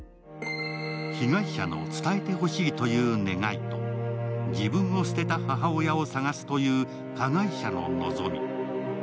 被害者の伝えてほしいという願いと自分を捨てた母親を捜すという加害者の望み。